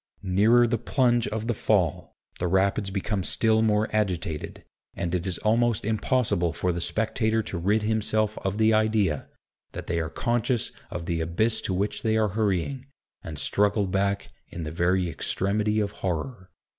Nearer the plunge of the Fall, the Rapids become still more agitated; and it is almost impossible for the spectator to rid himself of the idea, that they are conscious of the abyss to which they are hurrying, and struggle back in the very extremity of horror.